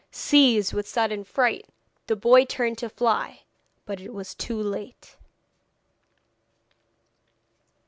Seized with a sudden fright, the boy turned to fly. But it was too late.